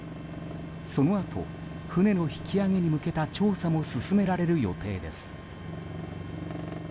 そのあと、船の引き揚げに向けた調査も進められる予定です。